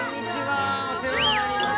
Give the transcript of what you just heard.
おせわになります。